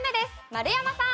丸山さん。